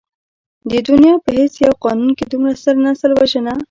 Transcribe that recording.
د دنيا په هېڅ يو قانون کې دومره ستر نسل وژنه.